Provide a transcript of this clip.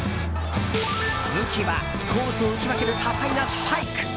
武器はコースを打ち分ける多彩なスパイク。